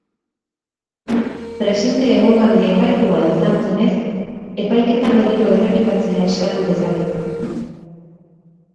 Presente egon gabe epaitua izan zenez, epaiketa berriro errepikatzea eskatu dezake.